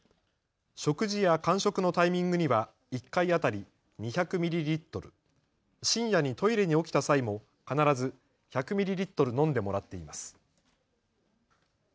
食事や間食のタイミングには１回当たり２００ミリリットル、深夜にトイレに起きた際も必ず１００ミリリットル飲んでもらっています。